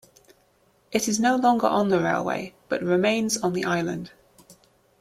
It is no longer on the railway, but remains on the island.